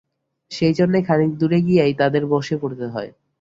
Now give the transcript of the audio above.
সেইজন্যেই খানিক দূর গিয়েই তাদের বসে পড়তে হয়।